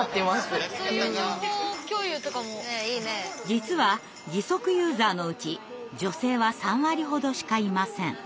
実は義足ユーザーのうち女性は３割ほどしかいません。